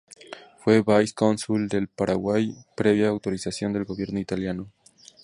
Fue vice-cónsul del Paraguay, previa autorización del gobierno italiano.